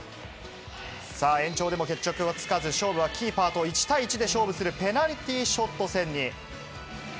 さあ、延長でも決着はつかず、勝負はキーパーと１対１で勝負するペナルティーショット戦に。